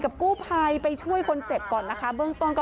กู้ภัยไปช่วยคนเจ็บก่อนนะคะเบื้องต้นก็